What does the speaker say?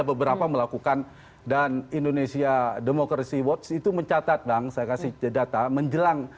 beberapa melakukan dan indonesia democracy watch itu mencatat bang saya kasih data menjelang